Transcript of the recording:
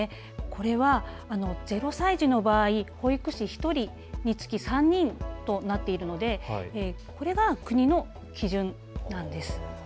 これは０歳児の場合、保育士１人につき３人となっているのでこれが国の基準なんです。